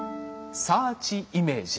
サーチイメージ。